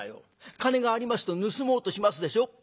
「金がありますと盗もうとしますでしょ？